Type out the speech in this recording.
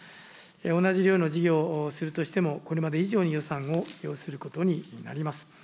同じような事業をするとしても、これまで以上に予算を要することになります。